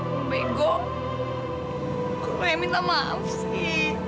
gue yang minta maaf sih